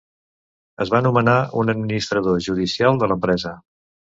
Es va nomenar un administrador judicial de l'empresa.